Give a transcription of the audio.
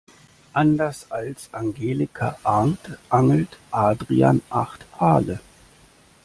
Anders als Angelika Arndt angelt Adrian acht Aale.